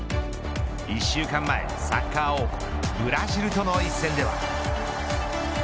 １週間前、サッカー王国ブラジルとの一戦では。